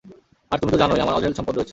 আর তুমি তো জানই, আমার অঢেল সম্পদ রয়েছে।